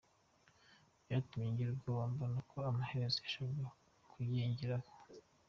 Byatumye ngira ubwoba, mbona ko amaherezo yashakaga kuyingerekaho.